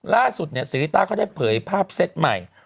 ล่าสุดศรีริต้าเขาได้เผยภาพเซ็ตใหม่